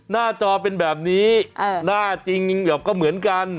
น่าจรเป็นแบบนี้น่าจริงเหมือนกัน